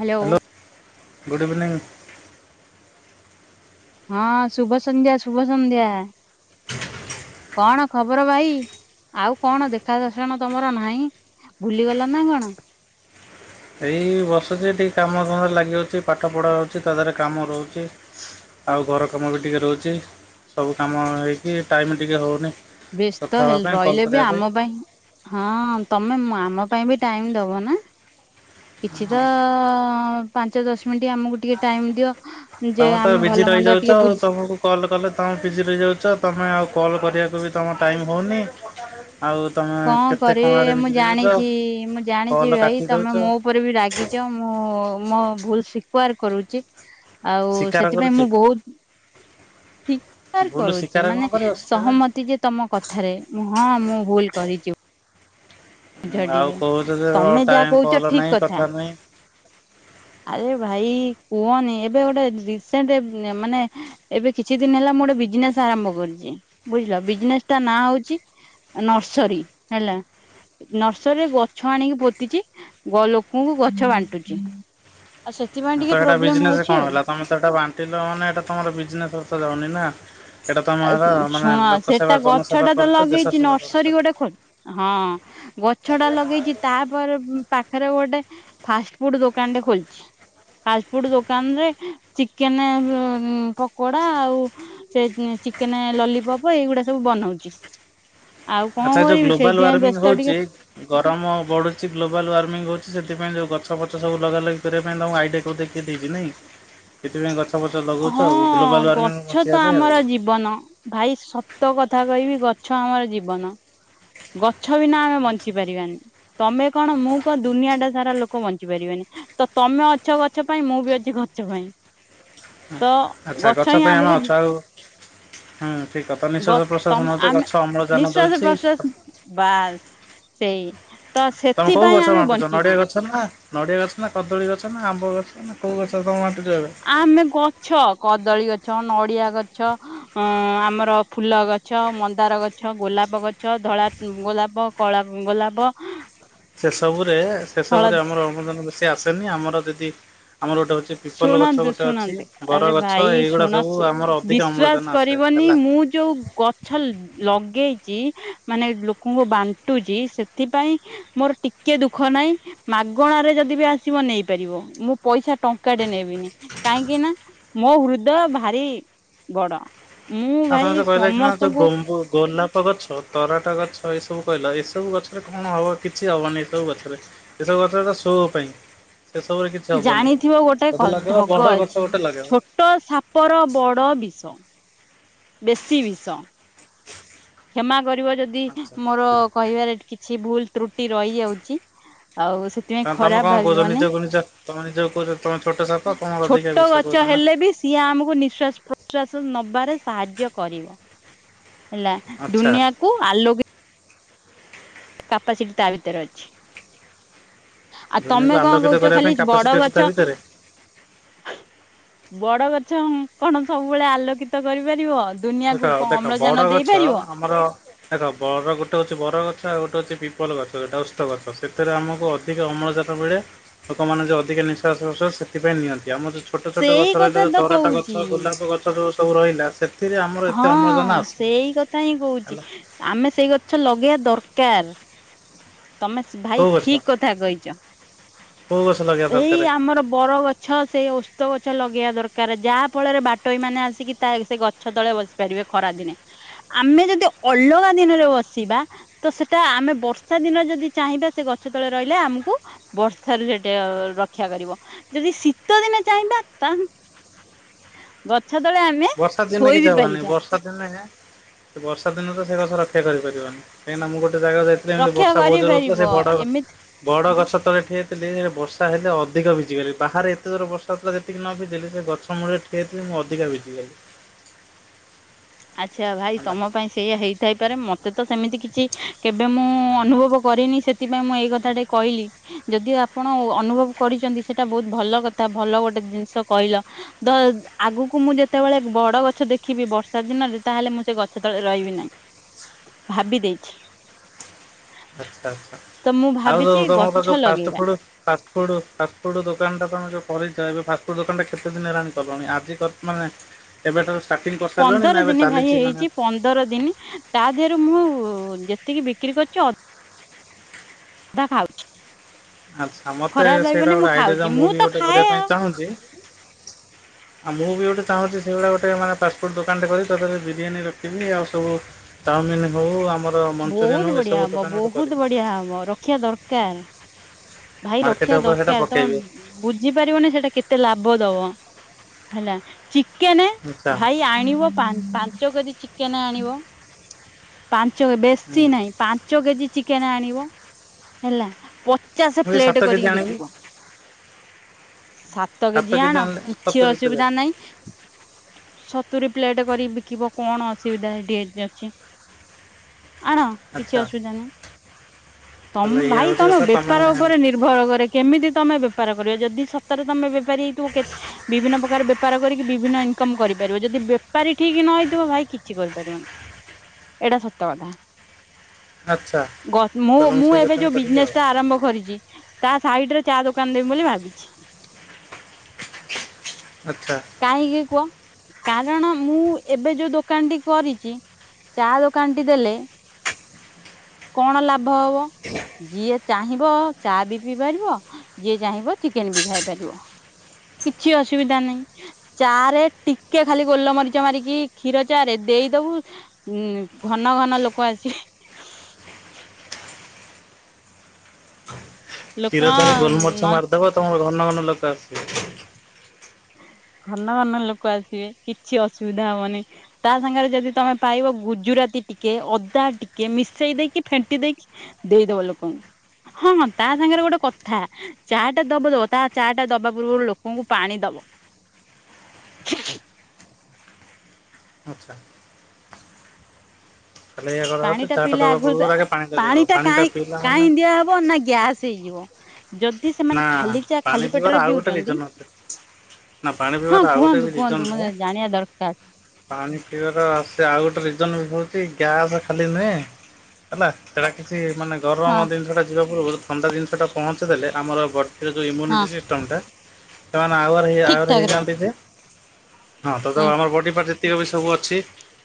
Hello hello good evening. ହଁ ଶୁଭ ସନ୍ଧ୍ୟା ଶୁଭ ସନ୍ଧ୍ୟା। କଣ ଖବର ଭାଇ? ଆଉ କଣ ଦେଖା ଦର୍ଶନ ତୋମର ନାହିଁ ଭୁଲି ଗଲ ନା କଣ? ଏଇ ବସୁଛି ଏଠି କାମ ଧାମରେ ଲାଗି ଯାଉଛି। ପାଠ ପଢା ହଉଛି ତା ଦେହରେ କାମ ରହୁଛି। ଆଉ ଘର କାମ ବି ଟିକେ ରହୁଛି। ସବୁ କାମ ହେଇକି ଟାଇମ୍ ଟିକେ ହଉନି। ବ୍ୟସ୍ତ ହେ ରହିଲେ ବି ଆମ ପାଇଁ ହଁ ତୋମେ ମ-ଆମ ପାଇଁ ବି ଟାଇମ୍ ଦବ ନା। କିଛି ତ ପାଞ୍ଚ ଦଶ ମିନିଟ୍ ଆମକୁ ଟିକେ ଟାଇମ୍ ଦିଅ। ଯେ ତୋମେ ତ ଆମେ ଭଲ ବିଜି ମନ୍ଦ ରହିଯାଉଛ ଟିକେ ଆଉ ବୁଝ ତୋମକୁ କଲ୍ କଲେ ତୋମେ ବିଜି ରହିଯାଉଛ। ତୋମେ ଆଉ କଲ୍ କରିବାକୁ ବି ତୋମ ଟାଇମ୍ ହଉନି। କଣ କରିବେ ମୁଁ ଜାଣିଛି ମୁଁ ଜାଣିଚି କଲ୍ ଭାଇ କାଟି ତୋମେ ଦେଉଛ ମୋ ଉପରେ ବି ରାଗିଚ। ମୁଁ ମୋ ଭୁଲ ସ୍ବୀକାର କରୁଚି। ଆଉ ଶିକାର ସେଥିପାଇଁ କରୁଛି ମୁଁ ବହୁତ ସ୍ବୀକାର ଭୁଲ କରୁଚି ଶିକାର କଣ ମାନେ କରିବ ସହମତି ଯେ ତୋମ କ ଥାରେ ମୁଁ ହଁ ମୁଁ ଭୁଲ କରିଚି। ଆଉ କହୁଚ ଯେ ତମେ ଯାହା ଟାଇମ୍ କହୁଛ କଲ୍ ଠିକ ନାହିଁ କଥା ନାହିଁ। ଆରେ ଭାଇ କୁଅନି ଏବେ ଗୋଟେ ରିସେଣ୍ଟେ ଏ ମାନେ ଏବେ କିଛି ଦିନ ହେଲା ମୁଁ ଗୋଟେ ବିଜନେସ୍ ଆରମ୍ଭ କରିଚି। ବୁଝିଲ, ବିଜନେସ୍ ଟା ନାଁ ହଉଚି ଅ, ନର୍ସରୀ ହେଲା। ନର୍ସରୀରେ ଗଛ ଆଣିକି ପୋତିଚି। ଗ- ଲୋକଙ୍କୁ ଗଛ ବାଣ୍ଟୁଛି। ଆଉ ସେଥିପାଇଁ ହଁ ଟିକେ ତ ଏଟା ପ୍ରୋବ୍ଲେମ ବିଜନେସ୍ ହଉଛି କଣ ଆଉ। ହେଲା ତୋମେ ତ ଏଟା ବାଣ୍ଟିଲ ମାନେ ଏଟା ତୋମର ବିଜନେସ୍ ରେ ତ ଯାଉନି ନା। ଏଇଟା ଆଏ ତମର ତୁଁ ମାନେ ଶୁଣ ଲୋକ ସେବା ସେଟା ଗଛଟା ଜନସେବା ତ କରୁଛ ଦେଶ ଲଗେଇଚି ସେବା କରୁଛ। ନର୍ସରୀ ଗୋଟେ ଖୋଲ ହଁ ଗଛ ଟା ଲଗେଇଚି। ତାପରେ ପାଖରେ ଗୋଟେ ଫାଷ୍ଟ ଫୁଡ୍ ଦୋକାନ ଟେ ଖୋଲିଛି। ଫାଷ୍ଟଫୁଡ୍ ଦୋକାନରେ ଚିକେନେ ଭୋ -ଉଁ, ପକୋଡା ଆଉ ସେ ଉଁ, ଚିକେନେ ଲଲିପପ ଏଇଗୁଡା ସବୁ ବନଉଚି। ଆଉ କଣ ଆଚ୍ଛା ଏ ଯୋଉ କରିବି ଗ୍ଲୋବାଲ ସେଇଥିପାଇଁ ୱାର୍ମିଂ ବ୍ୟସ୍ତ ହଉଛି ଟିକେ। ଗରମ ବଢୁଛି ଗ୍ଲୋବାଲ୍ ୱାର୍ମିଙ୍ଗ ହଉଛି ସେଥିପାଇଁ ଯୋଉ ଗଛ ଫଛ ସବୁ ଲଗା ଲଗି କରିବା ପାଇଁ ତୋମକୁ ଆଇଡିଆ କିଉ ଦେଇ କିଏ ଦେଇଚି ନାଇଁ ସେଥିପାଇଁ ଗ ହଁ ଗଛ ତ ପାଇଁ ଆମର ଆଉ। ଜୀବନ। ଭାଇ ସତ କଥା କହିବି ଗଛ ଆମର ଜୀବନ। ଗଛ ବିନା ଆମେ ବଞ୍ଚି ପାରିବାନି। ତୋମେ କଣ ମୁଁ କଣ ଦୁନିଆ ଟା ସାରା ଲୋକ ବଞ୍ଚି ପାରିବନି। ତ ତୋମେ ଅଛ ଗଛ ପାଇଁ। ମୁଁ ବି ଅଛି ଗଛ ପାଇଁ। ହଁ ତ ଆଚ୍ଛା ଗଛ ହିଁ ପାଇଁ ଆମେ ଆମକୁ ଅଛୁ ଆଉ ହୁଁ, ଠିକ କଥା ଗ ନିଃଶ୍ୱାସ ପ୍ରଶ୍ବାସ ତମେ ନଉଚେ ଆମେ ଗଛ ଅମ୍ଳଜାନ ନିଶ୍ଵାସ ଦଉଛି। ପ୍ରଶ୍ଵାସ ବାସ୍ ସେଇ। ତ ତୋମେ କୋଉ ସେଥିପାଇଁ ଗଛ ଆମେ ବାଣ୍ଟୁଛ ନଡିଆ ବଞ୍ଚିଛେ। ଗଛ ନା ନଡ଼ିଆ ଗଛ ନା, କଦଳୀ ଗଛ ନା, ଆମ୍ବ ଗଛ ନା, କୋଉ ଗଛ ତୋମେ ବାଣ୍ଟୁଚ ଏବେ? ଆମେ ଗଛ କଦଳୀ ଗଛ ନଡ଼ିଆ ଗଛ ଅଁ ଆମର ଫୁଲ ଗଛ ମନ୍ଦାର ଗ ଛ ଗୋଲାପ ଗଛ, ଧଳା ଗୋଲାପ, କଳା ଗୋଲାପ ସେ ସବୁରେ ସେ ସବୁରେ ହଳଦୀ ଆମର ଅବଦାନ ବେଶୀ ଆସେନି ଆମର ଯଦି ଆମର ଗୋଟେ ହ ଶୁଣନ୍ତୁ ଶୁଣନ୍ତେ ଆରେ ଭାଇ ଏଇଗୁଡା ଶୁଣ ସବୁ ଶୁ ଆମର ଅଧିକ ଅମ୍ଳଜାନ ବିଶ୍ଵାସ ଆସେ କରିବନି ହେଲା। ମୁଁ ଯୋଉ ଗ ଗଛ ଲଗେଇଛି ମାନେ ଲୋକଙ୍କୁ ବାଣ୍ଟୁଛି ସେଥିପାଇଁ ମୋର ଟିକେ ଦୁଃଖ ନାହିଁ ମାଗଣରେ ଯଦି ବି ଆସିବ ନେଇପାରିବ ମୁଁ ପଇସା ଟଙ୍କ ଙ୍କାଟେ ନେବିନି କାହିଁକି ନା ମୋ ହୃଦୟ ଭାରି ବଡ। ମୁଁ ଆଉ ଭାଇ ତମେ ଯୋଉ କହିଲେ ଏଇ ଖିନା ଯୋଉ ସମସ୍ତଙ୍କୁ ଗମ୍ବୁ ଗୋଲାପ ଗଛ, ତରାଟ ଗଛ ଏଇ ସବୁ କହିଲ ଏଇ ସବୁ ଗଛରେ କଣ ହବ କିଛି ହବନି ଏଇ ସବୁ ଗଛରେ। ଏସବୁ ଗଛ ତ ଶୋ ପାଇଁ। ସେ ସବୁରେ କିଛି ହବନି ଜାଣିଥିବ ଗୋଟେ ଯଦି ଲଗେଇବ ଢଗ ବଡ ଅଛି ଗଛ ଗୋଟେ ଲଗେଇବ। ଛୋଟ ସାପର ବଡ଼ ବିଷ। ବେଶି ବିଷ। କ୍ଷମା କରିବ ଯଦି ଆଚ୍ଛା। ମୋର କହିବାରେ ଟିକେ କିଛି ଭୁଲ ତ୍ରୁଟି ରହିଯାଉଛି ଆଉ ସେଥ ତାହେଲେ ତମେ କଣ କହୁଛ, ନିଜକୁ ନିଜେ ତମେ ନିଜକୁ କହୁଛ ତମେ ଛୋଟ ସାପ ତମର ଛୋଟ ଅଧିକା ବିଷ ଗଛ କହୁଛ ନା। ହେଲେ ବି ସିଏ ଆମକୁ ନିଶ୍ୱାସ ପ୍ରଶ୍ଵାସ ନବାରେ ସାହାଯ୍ୟ କରିବ ହେଲା। ଆଚ୍ଛା ଦୁନିଆକୁ ଆଲୋକି କାପାସିଟି ତା ଭିତରେ ଅଛି। ଆଉ ଦୁନିଆକୁ ତମେ କଣ ଆଲୋକିତ କହୁଛ କରିବା ଖାଲି ପାଇଁ ବଡ କାପାସିଟି ଅଛି ତା ଗଛ ଭିତରେ ବଡ ଗଛ କଣ ସବୁବେଳେ ଆଲୋକିତ କରିପାରିବ? ଦୁନିଆକୁ ଗୋଟେ ଦେଖ ଅମ୍ଳଜାନ ବଡ ଗଛ ଦେଇପାରିବ। ଆମର ଦେଖ ବର ଗୋଟେ ହଉଛି ବର ଗଛ ଆଉ ଗୋଟେ ହଉଚି ପିପଲ ଗଛ ଗୋଟେ ଓସ୍ତ ଗଛ ସେଥିରେ ଆମକୁ ଅ ଅଧିକ ଅମ୍ଳଜାନ ମିଳେ ଲୋକମାନେ ଯୋଉ ଅଧିକା ନିଶ୍ୱାସ ପ୍ରଶ୍ୱାସ ସେଥିପାଇଁ ନିଅନ୍ତି ଆମର ଛୋଟ ଛୋଟ ସେଇ ଗଛ ରହିଲା କଥା ଯୋଉ ତ ତରାଟ ଗଛ କହୁଛି। ଗୋଲାପ ଗଛ ଯୋଉ ସବୁ ରହିଲା ସେଥ ହଁ ସେଇ କଥା ହିଁ କହୁଛି ହେଲା ଆମେ ସେଇ ଗଛ ଲଗେଇବା ଦରକାର। ତମେ ସ ଭାଇ କୋଉ ଗଛ ଠିକ କଥା କହିଛ କୋଉ ଗଛ ଲଗେଇବା ଏଇ ଦରକାର ଆମର ବରଗ ଗଛ ସେଇ ଓସ୍ତ ଗଛ ଲଗେଇବା ଦରକାର ଯାହା ଫଳରେ ବାଟୋଇମାନେ ଆସିକି ତା ସେ ଗ ଛ ତଳେ ବସି ପାରିବେ ଖରା ଦିନେ। ଆମେ ଯଦି ଅଲଗା ଦିନରେ ବସିବା ତ ସେଟା ଆମେ ବର୍ଷ [unintelligible] ଦିନେ ଯଦି ଚାହିଁବେ ସେ ଗଛ ତଳେ ରହିଲେ ଆମୁକୁ ବର୍ଷାରୁ ସେଠି ଅ ରକ୍ଷା କରିବ, ଯଦି ଶୀତ ଦିନେ ଚାହିଁବା ତାହେନେ ଗଛ ତଳେ ଆମେ ବର୍ଷା ଦିନେ ଶୋଇ କିଛି ବି ହବନି ପାରିବା ବର୍ଷା ଦିନେ ସେ ବର୍ଷା ଦିନେ ତ ସେ ଗଛ ରକ୍ଷା କରିପାରିବନି। କାହିଁକିନା ମୁଁ ଗୋଟେ ଜାଗାକୁ ଯାଇଥିଲି ଏମିତି ରକ୍ଷା ବର୍ଷା ବହୁତ ଜୋର୍ ରେ ହଉଥିଲା କରିପାରିବ ସେ ବଡ଼ ଏମିତି ବଡ ଗଛ ତଳେ ଠିଆ ହେଇଥିଲି ହେଲେ ବର୍ଷା ହେଲେ ଅଧିକ ଭିଜିଗଲି ବାହାରେ ଏତେ ଜୋର୍ ରେ ବର୍ଷା ହଉଥିଲା ଯେ ସେଦିନ ଭିଜିଗଲି ସେ ଗଛ ମୂଳେ ଠିଆ ହେଇଥିଲି ମୁଁ ଅଧିକା ଭିଜିଗଲି। ଆଚ୍ଛା ଭାଇ ହେଲା ତମ ପାଇଁ ସେଇଆ ହେଇଥାଇପାରେ ମତେ ତ ସେମିତି କିଛି କେବେ ମୁଁ ଅନୁଭବ କରିନି ସେ ସେଥିପାଇଁ ମୁଁ ଏଇ କଥାଟେ କହିଲି ଯଦି ଆପଣ ଓ ଅନୁଭବ କରିଛନ୍ତି, ସେଇଟା ବହୁତ ଭଲ କଥା ଭଲ ଗୋଟେ ଜିନିଷ କହିଲ। ଦ ଆଗକୁ ମୁଁ ଯେତେବେଳେ ବଡ ଗଛ ଦେଖିବି ବର୍ଷ ର୍ଷା ଦିନରେ ତାହେଲେ ମୁଁ ସେ ଗଛ ତଳେ ରହିବି ନାହିଁ ଭାବିଦେଇଛି। ଆଛା ଆଚ୍ଛା ତ ମୁଁ ଆଉ ଭାବିଛି ଯୋଉ ତମର ଗଛ ଯୋଉ ଫାଷ୍ଟ ଲଗେଇବା ଫୁଡୁ ଫାଷ୍ଟଫୁଡ ଫାଷ୍ଟଫୁଡ ଦୋକାନଟା ତମେ ଯୋଉ କରିଛ, ଏବେ ଫାଷ୍ଟଫୁଡ୍ ଦୋକାନଟା କେତେ ଦିନ ହେଲାଣି କଲଣି ଆଜି କ ମାନେ [inaudible] ଏବେ ତମେ ଷ୍ଟାଟିଙ୍ଗ କ କରିସାରିଲଣି ପନ୍ଦର ନା ଦିନି ଭାଇ ହେଇଛି ପନ୍ଦର ଦିନି। ତା ଦେହରୁ ମୁଁ ଯେତିକି ବିକ୍ରି କରୁଛି। [unintelligible] ଆଚ୍ଛା ମତେ ଖରାପ ସେଇଟା ଭାବିବନି ମୁଁ ଗୋଟେ ଆଇଡିଆ ଦିଅ ଖାଉଛି ମୁଁ ବି ତ ଗୋଟେ ଖାଏ କରିବା ଆଉ ପାଇଁ ଚାହୁଁଛି। ଆଉ ମୁଁ ବି ଗୋଟେ ଚାହୁଁଛି ସେଇଭଳିଆ ଗୋଟେ ମାନେ ଫାଷ୍ଟ ଫୁଡ଼ ଦୋକାନଟେ କରି ତା ଦେହରେ ବିରିୟାନ ରଖିବି ଆଉ ସବୁ ଚାଓମିନ୍ ହଉ ଆମ ବହୁତ ବଢ଼ିଆ ହବ ବହୁତ ବଢ଼ିଆ ହବ ରଖିବା ଦରକାର। ଭାଇ ମାର୍କେଟ ରଖିବା ଉପରେ ସେଇଟା ଦରକାର ପକେଇବି ତମେ ବୁଝିପାରିବନି ସେଟା କେତେ ଲାଭ ଦବ ହେଲା ଚିକେନ ଆଚ୍ଛା ଭାଇ ଆଣିବ ପାଞ୍ଚ କେଜି ଚିକେନ ଆଣିବ। ଞ୍ଚ ହୁଁ। ବେଶୀ ନାଇଁ ପାଞ୍ଚ କେଜି ଚିକେନ ଆଣିବ ହେଲା। ପଚାଶ ମୁଁ ଏଇ ସାତ ପ୍ଲେଟ କେଜି କରିକି ଆଣିବି ବିକିବ। ସାତ କେଜି ଆଣ ଆଣିଲେ କିଛି ସତୁରି ପିଲା ଅସୁବିଧା ନାଇଁ। ସତୁରି ପ୍ଲେଟ କରି ବିକିବ କଣ ଅସୁବିଧା ସେଠି ଅ ଅଛି। ଆଣ କିଛି ଆଚ୍ଛା। ଅସୁବିଧା ନାହିଁ। ତାହେଲେ ତମ ଏଇଆ ଭାଇ ହଉଛି ତମ କଥା ତମେ ବେପାର ଉପରେ ନିର୍ଭର କରେ। କେମିତି ତମେ ବେପାର କରିବ ଯଦି ସତରେ ତମେ ବେପାରୀ ହେଇଥିବ କେ ବିଭିନ୍ନ ପ୍ରକାର ବେପାର କରିକି ବିଭିନ୍ନ ଇନକମ କରିପାରିବ। ଯଦି ବେପାରୀ ଠିକ ନ ହେଇଥିବ ଭାଇ କିଛି କରିପାରିବନି। ଏଇଟା ସତ କଥା। ଆଚ୍ଛା ଗ ମୁଁ ତାହେଲେ ମୁଁ ସେଇ କଥା ଏବେ ହିଁ ଯୋଉ ବିଜ୍ କରିବି ଆଉ। ନେସ ଟା ଆରମ୍ଭ କରିଛି ତା ସାଇଡ୍ ରେ ଚା ଦୋକାନ ଦେମି ବୋଲି ଭାବିଛି। ଆଛା। କାହିଁକି କୁହ, କାରଣ ମୁଁ ଏବେ ଯୋଉ ଦୋକାନଟି କରିଛି। ଚା ଦୋକାନ ଟି ଦେଲେ [inaudible] କଣ ଲାଭ ହବ। ଯିଏ ଚାହିଁବ ଚା ବି ପିଇ ପାରିବ। ଯିଏ ଚାହିଁବ ଚିକେନ୍ ବି ଖାଇ ପାରିବ। କିଛି ଅସୁବିଧା ନାହିଁ। ଚା ରେ ଟିକେ ଖାଲି ଗୋଲମରିଚ ମାରିକି କ୍ଷୀର ଚା ରେ ଦେଇଦବୁ ଉଁ ଘନ ଘନ ଲୋକ ଆସିବେ। ଲୋକ ଖୀର ଚା ରେ ନ ଗୋଲମରିଚ ମାରିଦବ ତମର ଘନ ଘନ ଲୋକ ଆସିବେ। ଘନ ଘନ ଲୋକ ଆସିବେ କିଛି ଅସୁବିଧା ହବନି। ତା ସାଙ୍ଗରେ ଯଦି ତମେ ପାଇବ, ଗୁଜୁରାତି ଟିକେ ଅଦା ଟିକେ ମିଶେଇ ଦେଇକି ଫେଣ୍ଟି ଦେଇକି ଦେଇଦବ ଲୋକଙ୍କୁ ହଁ ହଁ ତା ସାଙ୍ଗରେ ଗୋଟେ କଥା। ଚା ଟା ଦବ ଦବ ତା ଚା ଟା ଦବା ପୂର୍ବରୁ ଲୋକଙ୍କୁ ପାଣି ଦବ। [inaudible] ଆଚ୍ଛା। ତାହେଲେ ଏଇଆ ପାଣି କରାହଉଛି ଟା ଚାହା ପିଇଲେ ଦବା ଆଗରୁ ଯା ପୂର୍ବରୁ ଆଗେ ପାଣିଟା ଦିଆହବ ପାଣି ଟା ପାଣିଟା କାଁଇଁ ପିଇଲା ମାନେ କାହିଁକି ଦିଆହବ ନା ଗ୍ୟାସ୍ ହେଇଯିବ। ଯଦି ସେମାନେ ନା ଖାଲି ଚା ପାଣି ଖାଲି ପିଇବାର ପେଟରେ ଆଉ ଗୋଟେ ପିଉଛନ୍ତି। ରିଜନ ଅଛି। ନା ପାଣି ହଁ ପିଇବାର ଆଉ ଗୋଟେ ବି କୁହନ୍ତୁ କୁହନ୍ତୁ ରିଜନ ମୁଁ ଥାଏ। ଜାଣିବା ଦରକାର। ପାଣି ପିଇବାର ସେ ଆଉ ଗୋଟେ ରିଜନ ବି ହଉଛି, ଗ୍ୟାସ ଖାଲି ନୁହେଁ। ହେଲା ସେଟା କିଛି ମାନେ ହଁ ଗରମ ଜିନିଷଟା ଯିବା ପୂର୍ବରୁ ଥଣ୍ଡା ଜିନିଷଟା ପହଞ୍ଚିଦେଲେ ଆମର ବଡ଼ିର ଯଉଁ ହଁ ଇମ୍ୟୁନିଟି ସି ଷ୍ଟମ୍ ଟା ସେମାନେ [unintelligible] ଠିକ ଠାକ ରହେ। ହେଇଯାଆନ୍ତି ଯେ। ହଁ ତ ହୁଁ ଆମର ବଡି ପାର୍ଟ ଯେତିକ ବି ସବୁ ଅଛି।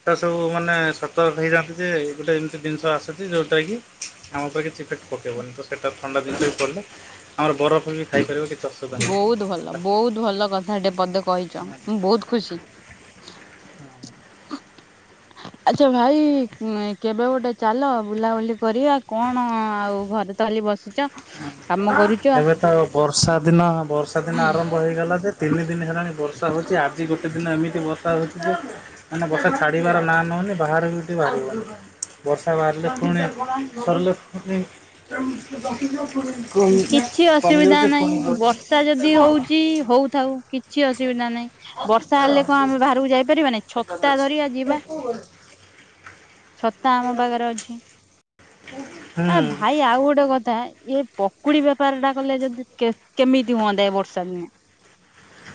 ଟା ସବୁ ମାନେ ସତର୍କ ହେଇଯାନନ୍ତେ ଯେ ଗୋଟେ ଏମିତି ଜିନିଷ ଆସୁଛି ଯଉଁଟା କି ଆମ ଉପରେ କିଛି ଇଫେକ୍ଟ ପକେଇବନି ତ ସେଟା ଥଣ୍ଡା [unintelligible] ଆମର ବରଫ ବି ଖାଇପାରିବ କିଛି ଅସୁବିଧା ବହୁତ ଭଲ। ନାହିଁ ବହୁତ ଭଲ କଥା ଟେ ପଦେ କହିଛ ହେଲା। ମୁଁ ବହୁତ ଖୁସି। [inaudible] [inaudible] ଆଚ୍ଛା ଭାଇ ଉଁ କେବେ ଗୋଟେ ଚାଲ ବୁଲାବୁଲି କରିବା କଣ ଆଉ ଘରେ ତ ଖାଲି ବସିଚ। କାମ କରୁଚ। ଏବେ ତ ବର୍ଷା ଦିନ ବର୍ଷା ଦିନ ଆରମ୍ଭ ହେଇଗଲା ଯେ ତିନି ଦିନ ହେଲାଣି ବର୍ଷା ହଉଛି ଆଜି ଗୋଟେ ଦିନ ଏମିତି ବର୍ଷା ହେଉଛି ଯେ ମାନେ ବର୍ଷା ଛାଡ଼ିବାର ନାଁ ନଉନି ବାହାରୁକୁ ବି ଟିକେ ବାହାରି ହଉ। ବର୍ଷା ବାହାରିଲେ ପୁଣି ସରିଲେ ପୁଣି। କମି କିଛି ଅସୁବିଧା କମିଯାଉଛି ପୁଣି ନାହିଁ ବଢୁଛି। ବର୍ଷା ଯଦି ହୁଁ। ହଉଛି ହଉଥାଉ କିଛି ଅସୁବିଧା ନାହିଁ। ବର୍ଷା ହେଲେ କଣ ଆମେ ବାହାରକୁ ଯାଇପାରିବାନି ଛତା ଧରିବା ଯିବା। ଛତା ଆମ ପାଖରେ ଅଛି ଆ ଭାଇ ଆଉ ଗୋଟେ କଥା ଇଏ ପ ପକୁଡି ବେପାର ଟା କଲେ ଯଦି କେ-କେମିତି ହୁଅନ୍ତା ଏ ବର୍ଷା ଦିନେ?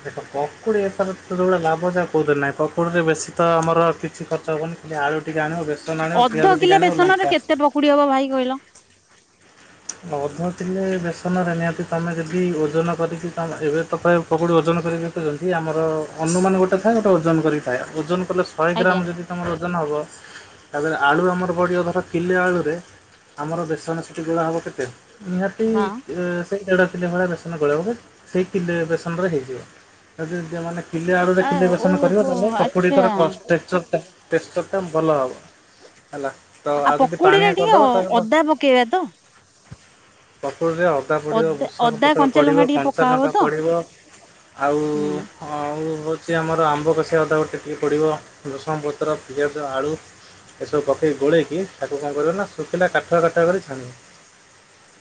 ଦେଖ ପକୁଡି ବେପାର ତ ଯୋଉଭଳିଆ ଲାଭ ଯେ କୋଉଥିରେ ନାହିଁ। ପକୁଡି ରେ ବେଶୀ ତ ଆମର କିଛି ଖର୍ଚ୍ଚ ହବନି। ଖାଲି ଆଳୁ ଟିକେ ଆଣିବ ବେ ଅଧ କିଲେ ବେସନରେ କେତେ ପକୁଡି ହବ ଭାଇ କହିଲ? ଅଧ କିଲେ ବେସନରେ ନିହାତି ତମେ ଯଦି ଓଜନ କରିକି ତମ ଏବେ ତ ପ୍ରାୟ ପକୁଡ଼ି ଓଜନ କରିକି। [unintelligible] ଆମର ଅନୁମାନ ଗୋଟେ ଥାଏ ଗୋଟେ ଓଜନ କରିଥାଏ ଓଜନ କଲେ ଶହେ ଗ୍ରାମ ଆଜ୍ଞା ଯଦି। ତମର ଓଜନ ହବ୍। ତାପରେ ଆଳୁ ଆମର ପଡ଼ିବ ଧର କିଲେ ଆଳୁରେ ଆମର ବେସନ ସେଠୀ ଗୁଳା ହବ। କେତେ ନିହାତି ହଁ। ଏ ସେଇ ଦେଢ଼ କିଲେ ଭଳିଆ ବେସନ ଗୋଳେଇବ ହେ ସେଇ କିଲେ ବେସନରେ ହେଇଯିବ ଆଉ ଜୋ ଯଉ ମାନେ। କିଲେ ଆଳୁ ରେ ଆ କିଲେ ବେସନ କରିବ ଓହୋ ତାହେଲେ ପକୁଡ଼ି ଆଚ୍ଛା ଟାର ଅ ଷ୍ଟ୍ରେକ୍ଚରଟା। ଷ୍ଟ୍ରେକ୍ଚରଟା ଭଲ ହବ ହେଲା ତ ଆଉ ଯଦି ପାଣିଆ କରିଦବ ତାହା ପକେଇଆ ତ। ପକୁଡ଼ୀରେ ଅଦା ପଡ଼ିବ ଭୂଷଙ୍ଗ ଅଦା ପତ୍ର କଞ୍ଚାଲଙ୍କା ପଡ଼ିବ ଟିକେ ପକା ହବ କଞ୍ଚାଲଙ୍କା ତ? ପଡ଼ିବ। ଆଉ। ହୁଁ ହଁ ଆଉ ହଉଛି ଆମର ଆମ୍ବ କଷିଆ ଅଦା ଗୋଟେ ଟିକେ ପଡ଼ିବ ଭେଶୁଆଁ ପତ୍ର, ପିଆଜ, ଆଳୁ। ଏସବୁ ପକେଇ ଗୋଳେଇକି ତାକୁ କଣ କରିବ ନା ଶୁଖିଲା କାଠୁଆ କାଠୁଆ କରି ଛାଣିବ।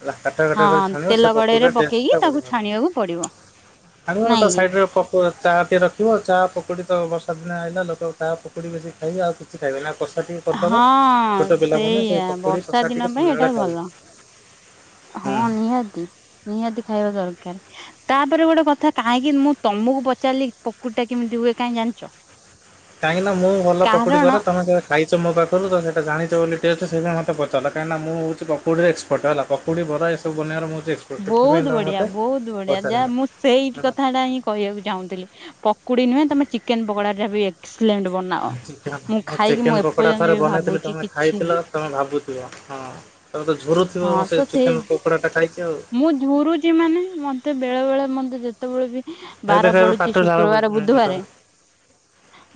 ହେଲା କାଠୁଆ କାଠୁଆ କରି ହଁ ଛାଣିବ ତେଲ ସେ କଡେଇରେ ପକୁଡ଼ିର ପକେଇକି ଟେଷ୍ଟଟା ତାକୁ ବଢିଆ ଛାଣିବାକୁ ପଡିବ ହବ୍। ଆଉ ମୁଁ ନାଇଁ ତା କି? ସାଇଡ ରେ ପ ତ ଚା ଟେ ରଖିବ ଚା ପକୁଡି ତ ବର୍ଷା ଦିନ ଆଇଲା ଲୋକ ଚା ପକୁଡି ବେଶୀ ଖାଇବେ ଆଉ କି ସେ ଖାଇବେ ନା କଷା ଟିକେ କରିଦବ ହଁ ଛୋଟ ପିଲାମାନେ ସେଇଆ ସେଇ ପକୁଡ଼ି ବର୍ଷା କଷା ଦିନ ଟିକେ ପାଇଁ ଏଇଟା ସନ୍ଧ୍ୟାବେଳେ ଭଲ ଖାଇବେ। ହଁ ହୁଁ ନିହାତି ନିହାତି ଖାଇବା ଦରକାର। ତାପରେ ଗୋଟେ କଥା କାହିଁକି ମୁଁ ତମକୁ ପଚାରିଲି ପକୁଡି ଟା କେମିତି ହୁଏ କାହିଁ ଜାଣିଛ? କାହିଁକି ନା ମୁଁ ଭଲ ପକୁଡି କାରଣ କରେ ତମେ ସେ ଖାଇଛ ମୋ ପାଖରୁ ତ ସେଟା ଜାଣିଛ ବୋଲି ଟେଷ୍ଟ ସେଥିପାଇଁ ମତେ ପଚାରିଲ କାହିଁକିନା ମୁଁ ହଉଚି ପକୁଡିରେ ଏକ୍ସପର୍ଟ ହେଲା ପ ପକୁଡି, ବରା ଏସବୁ ବନେଇବାର ମୁଁ ହଉଚି ଏକ୍ସ ବହୁତ ବଢିଆ ବହୁତ ବଢିଆ ଯାହା ମୁଁ ସେଇଠୀ ହେଲା କଥାଟା ହିଁ। କହିବାକୁ ଚାହୁଁଥିଲି ପକୁଡି ନୁହେଁ ତମେ ଚିକେନ ପକୋଡା ଟା ବି ଏକ୍ସଲେଣ୍ଟ ବ ହୁଁ ଚିକେନ ମୁଁ ଚିକେନ ପକୋଡା ଥରେ ବି ବନେଇଥିଲି ଭାବୁଛି ତମେ କିଛି ଖାଇଥିଲ ତମେ ଭାବୁଥିବ ହଁ। ତମେ ତ ଝୁରୁ ଥିବ ହଁ ତ ସେ ଚିକେନ ପକୋଡା ଟା ଖାଇକି ଆଉ। ମୁଁ ଝୁରୁଛି ମାନେ ମତେ ବେଳେ ବେଳେ ମତେ ଯେତେବେଳେ ବି ଏ ବାର ଦେଖ ଏବେ ପଡୁଛି ପାଟିରୁ ଝାଳ ଶୁକ୍ରବାର, ବୋହିଯିବଣି ଦେଖ ବୁଧବାରେ। ହୁଁ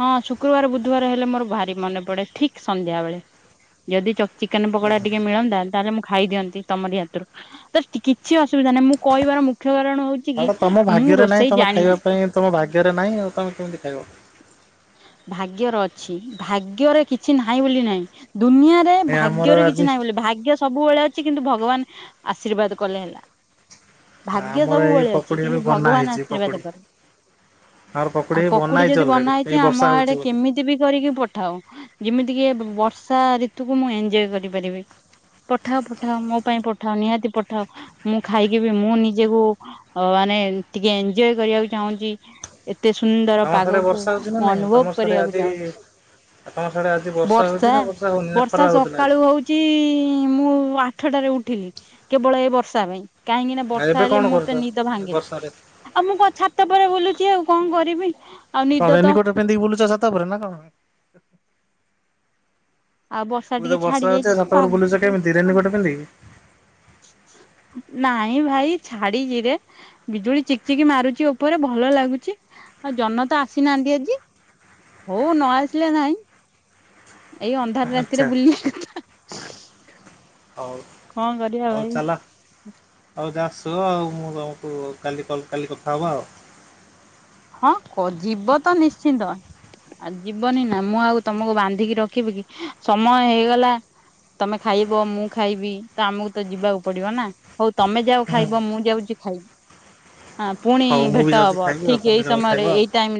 ହଁ ଶୁକ୍ରବାର, ବୁଧବାର ହେଲେ ମୋର ଭାରି ମନେ ପଡେ ଠିକ ସନ୍ଧ୍ୟା ବେଳେ। ଯଦି ଚ ଚିକେନ ପକୋଡା ଟିକେ ମିଳନ୍ତା ତାହେଲେ ମୁଁ ଖାଇଦିଅନ୍ତି ତମର ହାତରୁ ତ ତି କିଛି ଅସୁବିଧା ନାହିଁ ମୁଁ କହିବାର ମୁଖ୍ୟ କାରଣ ହଉ ସେଇଟା ତମ ଭାଗ୍ୟରେ ନାଇଁ ତମେ ଖାଇବା ପାଇଁ ତମ ଭାଗ୍ୟରେ ନାହିଁ ଆଉ ତମେ କେମିତି ଖାଇବ? ଭାଗ୍ୟର ଅଛି ଭାଗ୍ୟରେ କିଛି ନାହିଁ ବୋଲି ନାହିଁ ଦୁନିଆ ଏ ଆମର ଭାଗ୍ୟର ଆଜି କିଛି ନାହିଁ ବୋଲି ଭାଗ୍ୟ ସବୁବେଳେ ଅଛି କିନ୍ତୁ ଭଗବାନ ଆଶୀର୍ବାଦ କଲେ ହେଲା। ଭାଗ୍ୟ ଆମର ଏଇ ସବୁବେଳେ ଅଛି ପକୁଡି କିନ୍ତୁ ଏବେ ବନା ଭଗବାନ ହେଇଛି ଆଶୀର୍ବାଦ ପକୁଡି କଲେ। ଆମର ଆଉ ବନା ପକୁଡି ହେଇଛି ଯଦି ଅଲରେଡି ବନା ଏଇ ହେଇଛି ବର୍ଷା ଆମ ହଉଛି ଆଡେ ବୋଲି। କେମି ଏମିତି ବି କରିକି ପଠାଅ ଯେମିତି କି ଏ ବ-ବର୍ଷା ଋତୁକୁ ମୁଁ ଏଞ୍ଜୋୟ କରିପାରିବି। ପଠାଅ ପଠାଅ। ମୋ ପାଇଁ ପଠାଅ। ନିହାତି ପଠାଅ। ମୁଁ ଖାଇକି, ବି ମୁଁ ନିଜେକୁ ଅ ମାନେ ଟିକେ ଏଞଜୟ କରିବାକୁ ଚାହୁଁଛି। ଏତେ ସୁନ୍ଦର ତମର ସାଡେ ପାଗକୁ। ବର୍ଷା ହଉଛି ନା ମୁଁ ନାଇଁ ଅନୁଭବ ତମର ସାଡେ କରିବାକୁ ଆଜି ଚାହୁଁଛି। ତମ ସାଡେ ଆଜି ହଉଛି ବର୍ଷା, ନା ହଉନି ନା ବର୍ଷା ଖରା ହଉଥିଲା ଆଜି ସକାଳୁ ହଉ ଚି, ମୁଁ ଆଠଟାରେ ଉଠିଲି। କେବଳ ଏ ବର୍ଷା ପାଇଁ। କାହିଁକି ନା ଆଉ ବର୍ଷା ଏବେ ହେଲେ, କଣ ମୋର ତ କରୁଛ ନିଦ ଭାଙ୍ଗେନି। ବର୍ଷାରେ? ଆଉ ମୁଁ କ ଛାତ ଉପରେ ବୁଲୁଛି। ଆଉ କଣ କରିବି? ଆଉ କଣ ନିଦ ତ ରେନୀ କୋଟ୍ ପନ୍ଧି ବୁଲୁଚ ଛାତ ଉପରେ ନା କଣ? ଆଉ ବର୍ଷା ପୁଣି ତ ଟିକେ ଛାଡି ବର୍ଷା ହେଉଛି, ଯାଇଛି ଛାତ ପା ଉପରେ ବୁଲୁଛ କେମିତି? ରେନୀ କୋଟ୍ ପିନ୍ଧିକି? ନାଇଁ ଭାଇ ଛାଡିଛିରେ ବିଜୁଳି ଚିକ୍ ଚିକ୍ ମାରୁଚି ଉପରେ, ଭଲ ଲାଗୁଛି। ଆଉ ଯହ୍ନ ତ ଆସିନାହାନ୍ତି ଆଜି। ହଉ ନ ଆସିଲେ ନାଇଁ। ଏଇ ଅନ୍ଧାର ଆଚ୍ଛା ରାତିରେ ବୁଲି ହଉ। କଣ କରିବା ହଉ ଭାଇ ଚାଲ। ହଉ ଯା ସୁଅ। ମୁଁ ତମକୁ କାଲି କ- କଲ କାଲି କଥା ହବା ଆଉ। ହଁ କ ଯିବ ତ ନିଶ୍ଚିନ୍ତ। ଆଉ ଯିବନି ନା, ମୁଁ ଆଉ ତମକୁ ବାନ୍ଧିକି ରଖିବି, କି ସମୟ ହେଇଗଲା ତମେ ଖାଇବ। ମୁଁ ଖାଇବି ତ ଆମକୁ ତ ଯିବାକୁ ପଡିବ ନା? ହଉ ତମେ ଯାଅ ହୁଁ ଖାଇବ। ମୁଁ ଯାଉଛି ଖାଇବି। ପୁଣି ହଉ ମୁଁ ବି ଭେଟ ଯାଉଛି ହବ। ଖାଇବି ଆଉ ଠିକ ତମେ ଏଇ ଯାଅ ସମୟରେ, ଖାଇବ ଆଉ। ଏଇ ଟାଇମ୍ ରେ